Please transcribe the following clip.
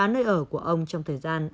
nơi ở của ông trong thời gian